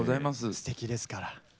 すてきですから。